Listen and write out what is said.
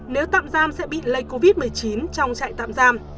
nếu tạm giam sẽ bị lây covid một mươi chín trong trại tạm giam